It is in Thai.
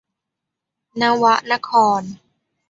นวนคร